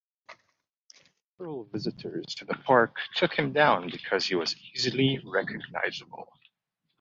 Several visitors to the park took him down because he was easily recognizable.